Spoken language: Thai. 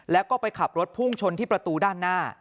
แล้วก็ไปขับรถพุ่งชนที่ประตูด้านหน้า